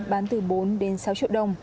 bán từ bốn đến sáu triệu đồng